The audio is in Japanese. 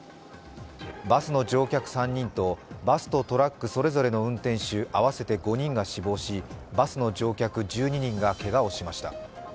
バスの乗客３人とバスとトラックそれぞれの運転手合わせて５人が死亡し、バスの乗客１２人がけがをしました。